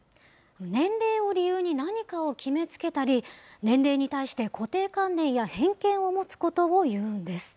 年齢を理由に何かを決めつけたり、年齢に対して固定観念や偏見を持つことをいうんです。